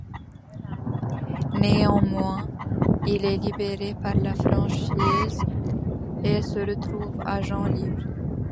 Néanmoins, il est libéré par la franchise et se retrouve agent libre.